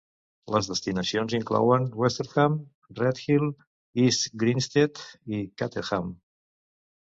Les destinacions inclouen: Westerham, Redhill, East Grinstead i Caterham.